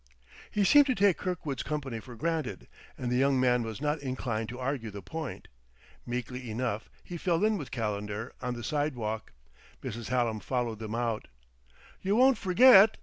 He seemed to take Kirkwood's company for granted; and the young man was not inclined to argue the point. Meekly enough he fell in with Calendar on the sidewalk. Mrs. Hallam followed them out. "You won't forget?"